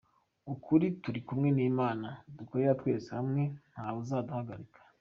Ukuri , turi kumwe n’Imana , dukorera twese hamwe, ntawe uzaduhagarika.